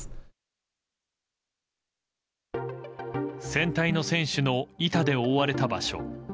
船体の船首の板で覆われた場所。